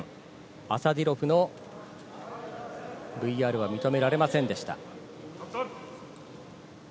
アサディロフのＶＲは認められませんでした。